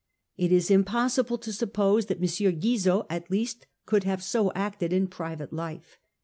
It is impossible to suppose that M. Guizot at least could have so acted in private life.